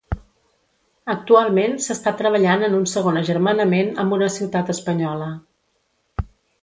Actualment s'està treballant en un segon agermanament amb una ciutat espanyola.